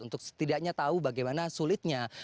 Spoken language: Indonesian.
untuk setidaknya tahu bagaimana sulitnya